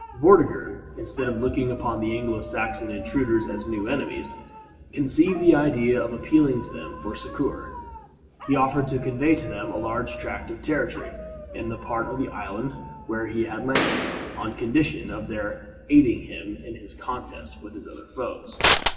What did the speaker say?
Vortigern, instead of looking upon the Anglo Saxon intruders as new enemies, conceived the idea of appealing to them for succor. He offered to convey to them a large tract of territory in the part of the island where they had landed, on condition of their aiding him in his contests with his other foes.